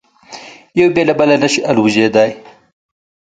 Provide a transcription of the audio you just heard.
یو بې له بله نه شي الوزېدای.